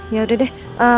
ya udah deh